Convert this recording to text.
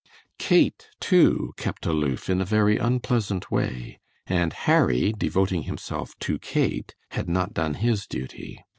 Kate, too, kept aloof in a very unpleasant way, and Harry, devoting himself to Kate, had not done his duty.